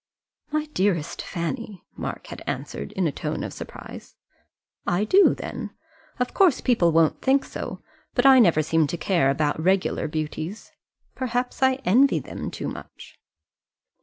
"My dearest Fanny!" Mark had answered in a tone of surprise. "I do then; of course people won't think so; but I never seem to care about regular beauties. Perhaps I envy them too much."